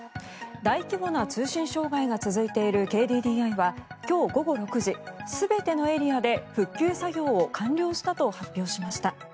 大規模な通信障害が続いているＫＤＤＩは今日午後６時、全てのエリアで復旧作業を完了したと発表しました。